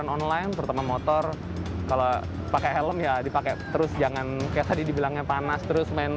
online terutama motor kalau pakai helm ya dipakai terus jangan kayak tadi dibilangnya panas terus main